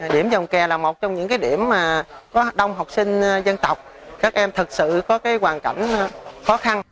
điểm dòng kè là một trong những điểm có đông học sinh dân tộc các em thật sự có hoàn cảnh khó khăn